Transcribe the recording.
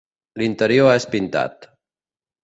L'interior és pintat.